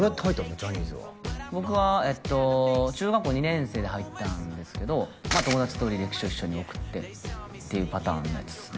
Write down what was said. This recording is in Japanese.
ジャニーズは僕は中学校２年生で入ったんですけど友達と履歴書一緒に送ってっていうパターンのやつっすね